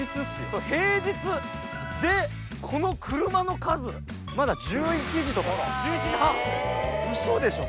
そう平日でこの車の数まだ１１時とかですよ１１時半ウソでしょ